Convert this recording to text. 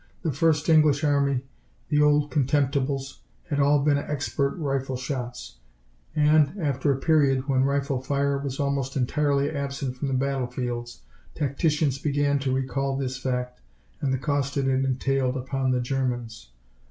The first English Army, "the Old Contemptibles," had all been expert rifle shots, and, after a period when rifle fire was almost entirely absent from the battle fields, tacticians began to recall this fact, and the cost it had entailed upon the Germans.